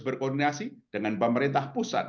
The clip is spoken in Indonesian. berkoordinasi dengan pemerintah pusat